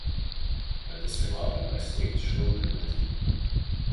Vai tas ir labi vai slikti šovakar nezinu.